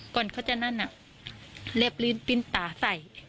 ก่อนเขาจะนั่นน่ะเล็บลื้นปิ้นตาใส่